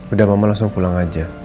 udah mama langsung pulang aja